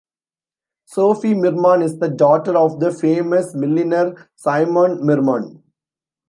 Sophie Mirman is the daughter of the famous milliner Simone Mirman.